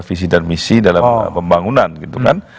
visi dan misi dalam pembangunan